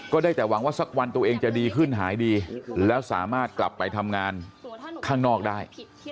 ได้แต่หวังว่าสักวันตัวเองจะดีขึ้นหายดีแล้วสามารถกลับไปทำงานข้างนอกได้